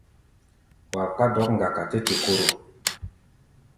Wa kpá dɔ̌k-ŋgaka tɛ té-koro.